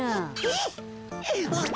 「えっ！？」。